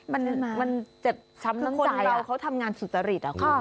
มันมันเจ็บช้ำต้องใจคือคนเราเขาทำงานสุตริตอ่ะคุณค่ะ